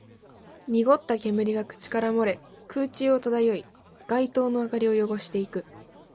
濁った煙が口から漏れ、空中を漂い、街灯の明かりを汚していく